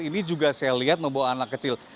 ini juga saya lihat membawa anak kecil